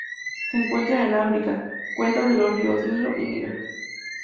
Se encuentran en África: cuencas de los ríos Nilo y Níger.